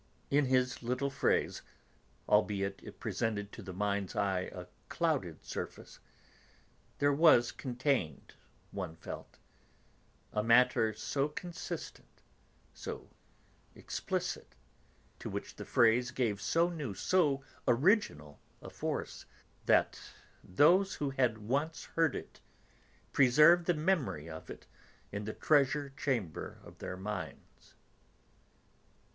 In his little phrase, albeit it presented to the mind's eye a clouded surface, there was contained, one felt, a matter so consistent, so explicit, to which the phrase gave so new, so original a force, that those who had once heard it preserved the memory of it in the treasure chamber of their minds.